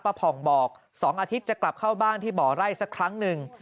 ผ่องบอก๒อาทิตย์จะกลับเข้าบ้านที่บ่อไร่สักครั้งหนึ่ง